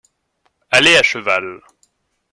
Aller à cheval.